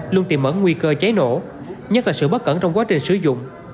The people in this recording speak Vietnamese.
luôn tìm mở nguy cơ cháy nổ nhất là sự bất cẩn trong quá trình sử dụng